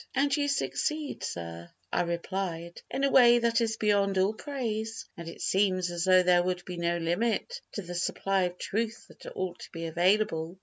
"And you succeed, sir," I replied, "in a way that is beyond all praise, and it seems as though there would be no limit to the supply of truth that ought to be available.